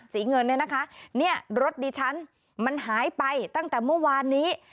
เงินเนี่ยนะคะเนี่ยรถดิฉันมันหายไปตั้งแต่เมื่อวานนี้